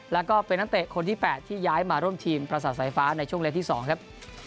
แล้วก็เป็นนักเตะคนที่๘ที่ย้ายมาร่วมทีมประสาทสายฟ้าในช่วงเล็กที่๒ครับ